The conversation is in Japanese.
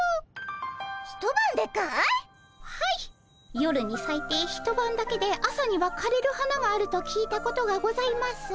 夜にさいて一晩だけで朝にはかれる花があると聞いたことがございます。